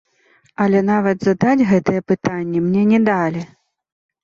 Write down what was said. Але нават задаць гэтыя пытанні мне не далі.